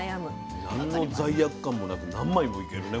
なんの罪悪感もなく何枚もいけるね